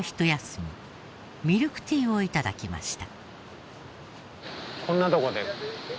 ミルクティーを頂きました。